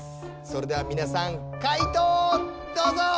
それではみなさん解答どうぞ！